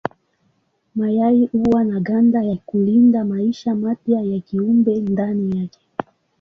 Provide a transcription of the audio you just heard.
Mayai huwa na ganda ya kulinda maisha mapya ya kiumbe ndani yake.